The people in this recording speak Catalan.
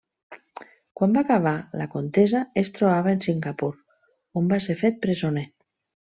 Quan va acabar la contesa es trobava en Singapur, on va ser fet presoner.